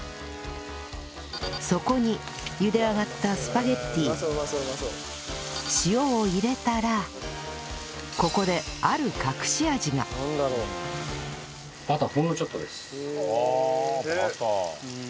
そこに茹で上がったスパゲッティ塩を入れたらここである隠し味がああバター。